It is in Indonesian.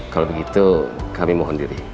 kalau begitu kami mohon diri